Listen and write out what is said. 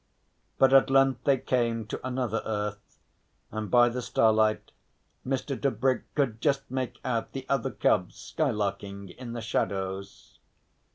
But at length they came to another earth, and by the starlight Mr. Tebrick could just make out the other cubs skylarking in the shadows.